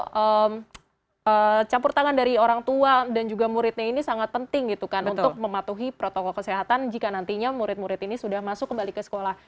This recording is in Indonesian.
jadi campur tangan dari orang tua dan juga muridnya ini sangat penting gitu kan untuk mematuhi protokol kesehatan jika nantinya murid murid ini sudah masuk kembali ke sekolah